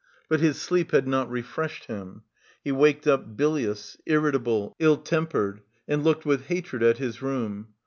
But his sleep had not refreshed him; he waked up bilious, irritable, ill tempered, and looked with hatred at his room.